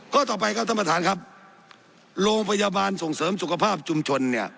ต่อไปครับท่านประธานครับโรงพยาบาลส่งเสริมสุขภาพชุมชนเนี่ย